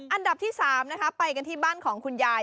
อันดับที่๓นะคะไปกันที่บ้านของคุณยาย